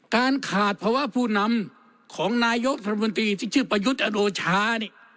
การขาดภาวะผู้นำของนายกรัฐมนตรีที่ชื่อประยุทธ์อโรชานี่